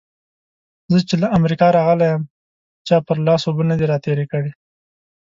زه چې له امريکا راغلی يم؛ چا پر لاس اوبه نه دې راتېرې کړې.